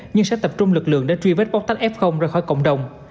nhưng sẽ tập trung lực lượng để truy vết bóc tách f ra khỏi cộng đồng